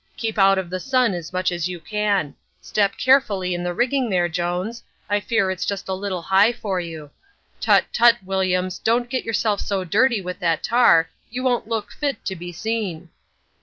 Keep out of the sun as much as you can. Step carefully in the rigging there, Jones; I fear it's just a little high for you. Tut, tut, Williams, don't get yourself so dirty with that tar, you won't look fit to be seen."